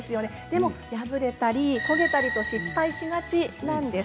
でも破れたり焦げたりと失敗しがちなんです。